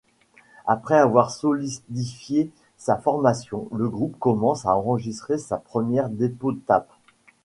Après avoir solidifié sa formation, le groupe commence à enregistrer sa première démo-tape.